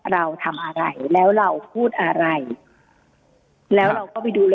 เราทำอะไรแล้วเราพูดอะไรแล้วเราก็ไปดู